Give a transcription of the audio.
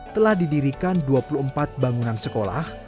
telah didirikan dua puluh empat bangunan sekolah